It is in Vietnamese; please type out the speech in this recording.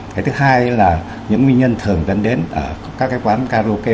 cái thứ hai là những nguyên nhân thường dẫn đến ở các cái quán karaoke